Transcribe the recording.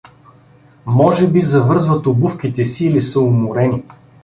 Може би завързват обувките си или са уморени.